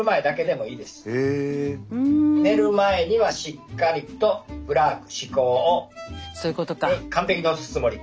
寝る前にはしっかりとプラーク歯垢を完璧に落とすつもり。